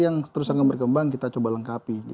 yang terus akan berkembang kita coba lengkapi